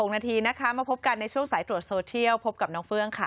๖นาทีนะคะมาพบกันในช่วงสายตรวจโซเทียลพบกับน้องเฟื่องค่ะ